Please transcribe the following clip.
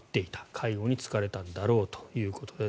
介護に疲れたんだろうということです。